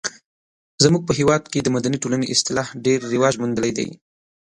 زموږ په هېواد کې د مدني ټولنې اصطلاح ډیر رواج موندلی دی.